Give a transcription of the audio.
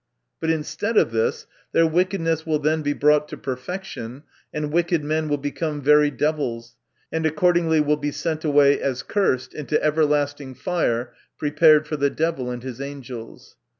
But instead of this, their wickedness will then be brought to perfec . tion, and wicked men will become very devils, and accordingly will be sent away as cursed into everlasting fire prepared for the devil and his angels.